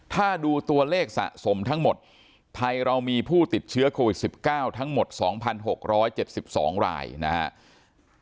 ถ้าดูตัวเลขสะสมทั้งหมดไทยเรามีผู้ติดเชื้อโควิด๑๙ทั้งหมด๒๖๗๒รายนะครับ